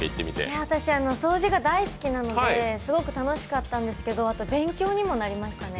私、掃除が大好きなのですごく楽しかったんですけどあと、勉強にもなりましたね。